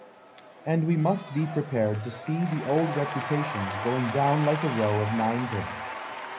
And we must be ]irepared to see the old rei)utations going down like a row of nine])ins.